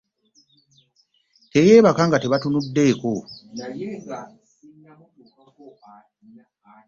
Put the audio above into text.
Teyebaka nga tabutunuddeeko .